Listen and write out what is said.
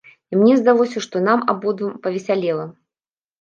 І мне здалося, што нам абодвум павесялела.